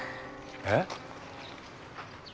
えっ？